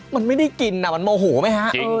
มันไม่ได้กินอ่ะมันโมโหไม่คะ